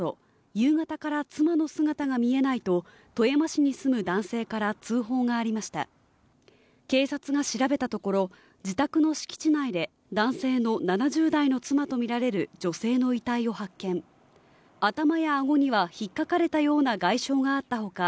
夕方から妻の姿が見えないと富山市に住む男性から通報がありました警察が調べたところ自宅の敷地内で男性の７０代の妻とみられる女性の遺体を発見頭や顎にはひっかかれたような外傷があったほか